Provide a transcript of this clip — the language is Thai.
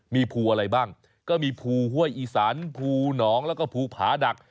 มีภูอะไรบ้างก็มีภูห้วยอีสันภูหนองแล้วก็ภูผาดัก